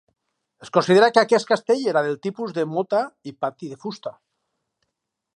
Es considera que aquest castell era del tipus de mota i pati de fusta.